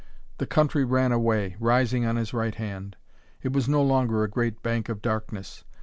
The country ran away, rising on his right hand. It was no longer a great bank of darkness.